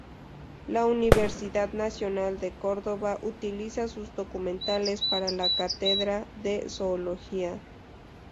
La Universidad Nacional de Córdoba utiliza sus documentales para la cátedra de Zoología.